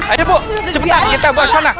ayo ibu cepetan kita buat sana